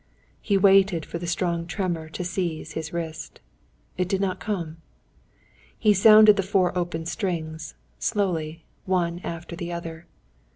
He waited for the strong tremor to seize his wrist. It did not come. He sounded the four open strings, slowly, one after the other.